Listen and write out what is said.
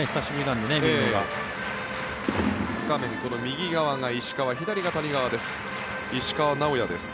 画面右側が石川左が谷川です。